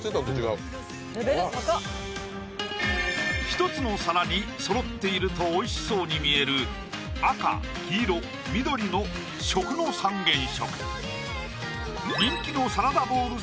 一つの皿にそろっていると美味しそうに見える赤黄色緑の食の三原色人気のサラダボウル